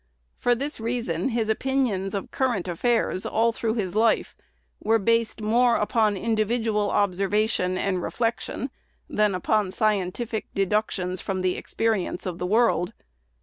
For this reason his opinions of current affairs all through his life were based more upon individual observation and reflection than upon scientific deductions from the experience of the world.